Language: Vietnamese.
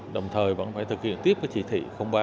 đồng thời vẫn phải thực hiện tiếp cái chỉ thị ba